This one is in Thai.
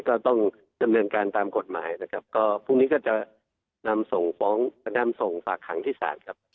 ก็ต้องดำเนินการตามกฎหมายนะครับก็พรุ่งนี้ก็จะนำส่งฟ้องนำส่งฝากขังที่ศาลครับ